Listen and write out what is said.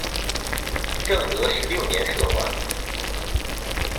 正德十六年赦还。